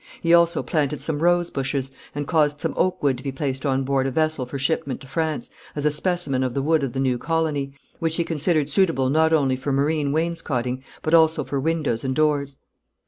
He also planted some rose bushes, and caused some oak wood to be placed on board a vessel for shipment to France, as a specimen of the wood of the new colony, which he considered suitable not only for marine wainscoting, but also for windows and doors.